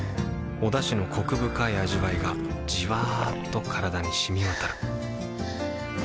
おだしのコク深い味わいがじわっと体に染み渡るはぁ。